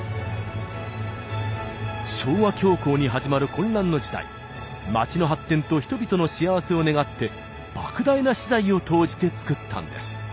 昭和恐慌に始まる混乱の時代街の発展と人々の幸せを願って莫大な私財を投じて作ったんです。